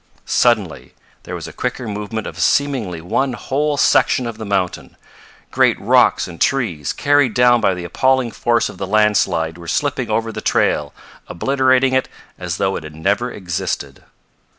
Suddenly there was a quicker movement of seemingly one whole section of the mountain. Great rocks and trees, carried down by the appalling force of the landslide were slipping over the trail, obliterating it as though it had never existed.